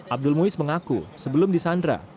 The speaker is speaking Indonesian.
abdul muiz mengaku sebelum disandra